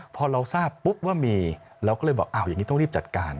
พอเราทราบปุ๊บว่ามีเราก็เลยบอกอ้าวอย่างนี้ต้องรีบจัดการ